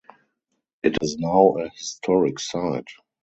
It is now a historic site.